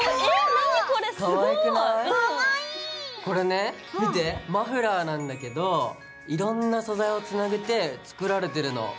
これね見てマフラーなんだけどいろんな素材をつなげて作られてるの。